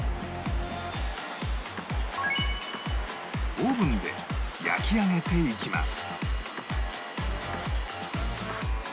オーブンで焼き上げていきます